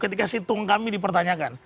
ketika sintung kami dipertanyakan